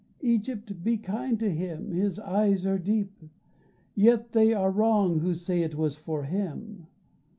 Egypt, be kind to him, his eyes are deep Yet they are wrong who say it was for him.